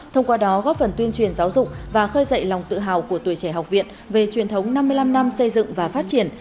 thông qua đó góp phần tuyên truyền giáo dục và khơi dậy lòng tự hào của tuổi trẻ học viện về truyền thống năm mươi năm năm xây dựng và phát triển